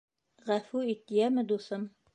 Ғәфү ит, йәме, дуҫым.